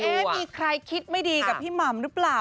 เลยเอ๊ะมีใครคิดไม่ดีกับพี่หม่ำรึเปล่า